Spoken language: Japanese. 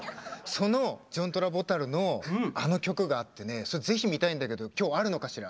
そのジョン・トラボタルのあの曲があってねそれ是非見たいんだけど今日あるのかしら？